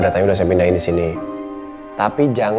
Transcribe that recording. ganti heelpon kepung yang developing